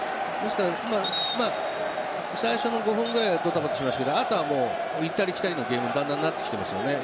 最初の５分ぐらいドタバタしましたがあとは行ったり来たりのゲームにだんだんなってますよね。